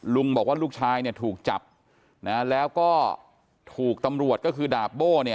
บอกว่าลูกชายเนี่ยถูกจับนะแล้วก็ถูกตำรวจก็คือดาบโบ้เนี่ย